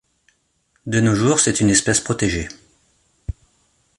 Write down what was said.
De nos jours, c'est une espèce protégée.